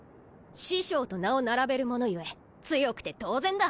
師匠と名を並べる者ゆえ強くて当然だ！